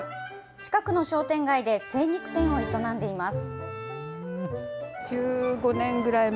近くの商店街で精肉店を営んでいます。